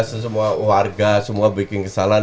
semua warga semua breaking kesalahan